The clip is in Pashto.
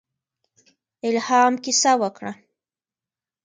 الهام کیسه وکړم.